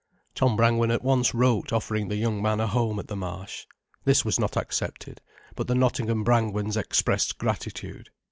Tom Brangwen at once wrote offering the young man a home at the Marsh. This was not accepted, but the Nottingham Brangwens expressed gratitude.